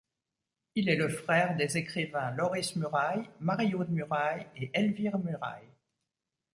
Il est le frère des écrivains Lorris Murail, Marie-Aude Murail et Elvire Murail.